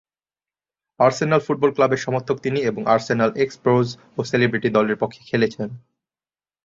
Arsenal football ক্লাবের সমর্থক তিনি এবং আর্সেনাল এক্স-প্রোজ ও সেলিব্রিটি দলের পক্ষে খেলেছেন।